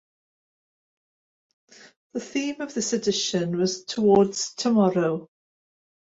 The theme of this edition was "Towards Tomorrow".